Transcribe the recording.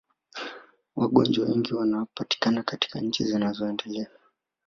Wagonjwa wengi wanapatikana katika nchi zinazoendelea